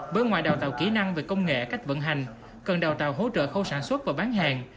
bởi ngoài đào tạo kỹ năng về công nghệ cách vận hành cần đào tạo hỗ trợ khâu sản xuất và bán hàng